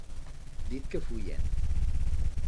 Diz que fuyen.